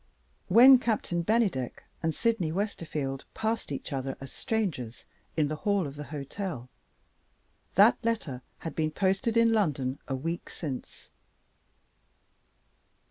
When Captain Bennydeck and Sydney Westerfield passed each other as strangers, in the hall of the hotel, that letter had been posted in London a week since.